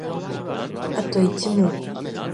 あと一問